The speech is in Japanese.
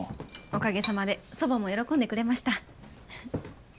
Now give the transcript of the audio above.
おかげさまで祖母も喜んでくれました。